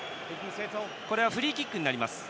フリーキックになります。